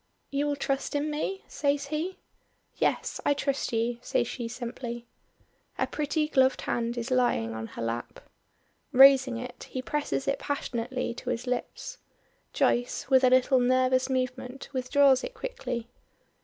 "You will trust in me?" says he. "Yes, I trust you," says she simply. Her pretty gloved hand is lying on her lap. Raising it, he presses it passionately to his lips. Joyce, with a little nervous movement, withdraws it quickly.